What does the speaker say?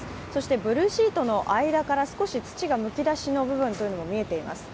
ブルーシートの間から少し土がむき出しの部分が見えています。